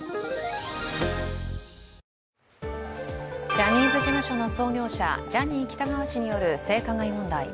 ジャニーズ事務所の創業者、ジャニー喜多川氏の性加害問題。